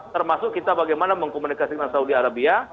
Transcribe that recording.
termasuk kita bagaimana mengkomunikasi dengan saudi arabia